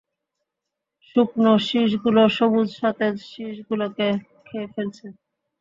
শুকনো শীষগুলো সবুজ সতেজ শীষগুলোকে খেয়ে ফেলছে।